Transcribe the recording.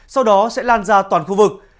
sau đó sẽ lan ra toàn khu vực